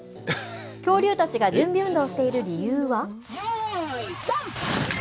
恐竜たちが準備運動をしている理由は？